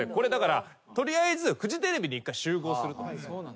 取りあえずフジテレビに１回集合する。